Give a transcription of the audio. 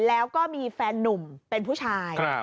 แล้วก็มีแฟนนุ่มเป็นผู้ชาย